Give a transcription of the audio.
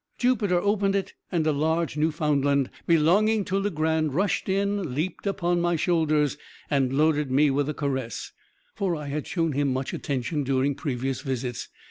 Jupiter opened it, and a large Newfoundland, belonging to Legrand, rushed in, leaped upon my shoulders, and loaded me with caresses; for I had shown him much attention during previous visits.